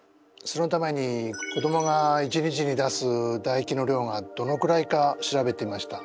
そのために子どもが１日に出すだ液の量がどのくらいか調べてました。